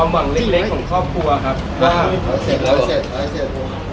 อ๋อมาแล้ว